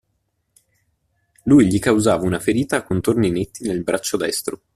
Lui gli causava una ferita a contorni netti nel braccio destro.